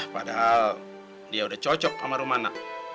padahal dia udah cocok sama rumana